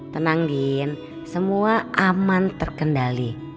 tenang gin semua aman terkendali